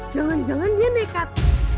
jangan jangan dia nekat